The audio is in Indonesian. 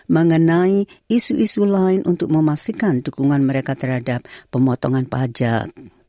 mengenai isu isu lain untuk memastikan dukungan mereka terhadap pemotongan pajak